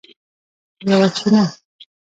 یوه چینه